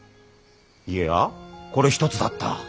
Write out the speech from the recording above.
いやこれ１つだった。